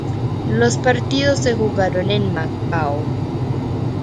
Los partidos se jugaron en Macao.